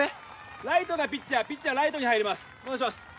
ライトがピッチャーピッチャーライトに入りますお願いします